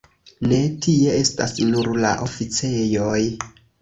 Ne, tie estas nur la oficejoj.